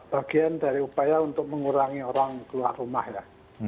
bagian dari upaya untuk mengurangi orang keluar rumah ya